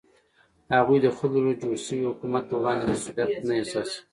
هغوی د خلکو له لوري د جوړ شوي حکومت په وړاندې مسوولیت نه احساساوه.